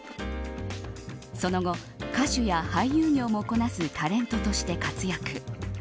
その後、歌手や俳優業もこなすタレントとして活躍。